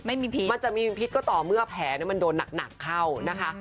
พิษมันจะมีพิษก็ต่อเมื่อแผลมันโดนหนักเข้านะคะ